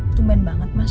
tumben banget mas